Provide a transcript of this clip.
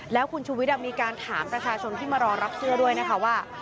แล้วคุณชุวิตมีการถามประชาชนที่มารอรับเสื้อด้วยนะคะว่า